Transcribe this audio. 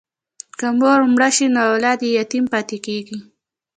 که مور مړه شي نو اولاد یې یتیم پاتې کېږي.